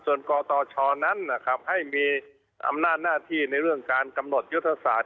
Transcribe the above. ส่วนกตชนั้นนะครับให้มีอำนาจหน้าที่ในเรื่องการกำหนดยุทธศาสตร์